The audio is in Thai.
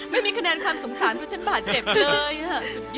ไม่มีคะแนนความสงสารเพราะฉันบาดเจ็บเลยค่ะ